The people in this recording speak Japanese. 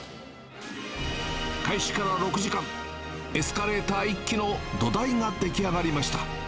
開始から６時間、エスカレーター１基の土台が出来上がりました。